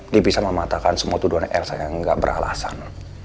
dia bisa mematakan semua tuduhan elsa yang gak beralasan